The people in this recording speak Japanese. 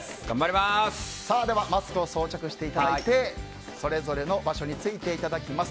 ではマスクを装着していただいてそれぞれの場所についていただきます。